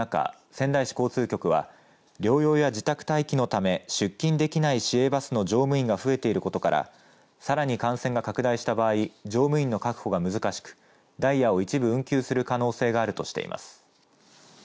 仙台市交通局は療養や自宅待機のため出勤できないし市営バスの乗務員が増えていることからさらに感染が拡大した場合乗務員の確保が難しくダイヤを一部、運休する可能性があるとしています。